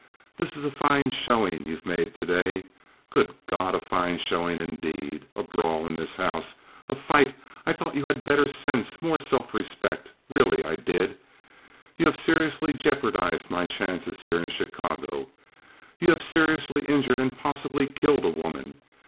This is a fine showing you've made to day. Good God! A fine showing, indeed! A brawl in this house, a fight! I thought you had better sense—more self respect—really I did. You have seriously jeopardized my chances here in Chicago. You have seriously injured and possibly killed a woman.